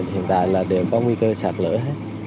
hiện tại là đều có nguy cơ sạc lỡ hết